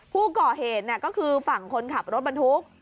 ผู้ก่อเหตุก็คือฝั่งคนขับรถบรรทุก